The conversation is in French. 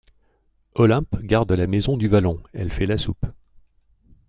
Olympe garde la maison du Vallon; elle fait la soupe.